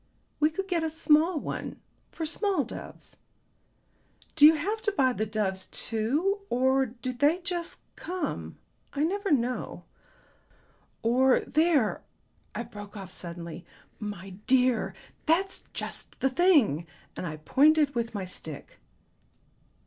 "We could get a small one for small doves. Do you have to buy the doves too, or do they just come? I never know. Or there," I broke off suddenly; "my dear, that's just the thing." And I pointed with my stick.